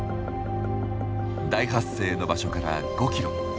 大発生の場所から５キロ。